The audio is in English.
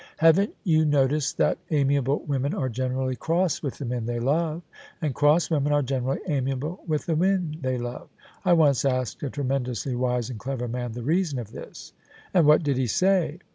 " Haven't you noticed that amiable women are generally cross with the men they love, and cross women are generally amiable with the men they love? I once asked a tremen dously wise and clever man the reason of this." " And what did he say?